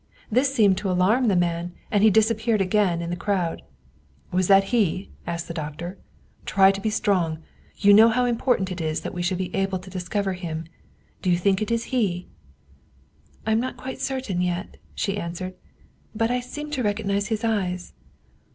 This seemed to alarm the man, and he disappeared again in the crowd. " Was. that he? " asked the doctor. " Try to be strong; you know how important it is that we should be able to discover him. Do you think this is he ?"" I am not quite certain yet," she answered. " But I seem to recognize his eyes."